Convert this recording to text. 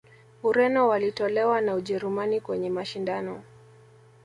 ureno walitolewa na ujerumani kwenye mashindano